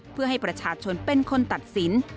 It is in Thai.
เพื่อให้ประชาชนเป็นคนตัดสิน